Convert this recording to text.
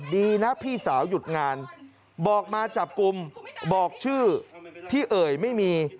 ดีนะพี่สาวหยุดงานบอกมาจับกลุ่มบอกชื่อที่เอ่ยไม่มี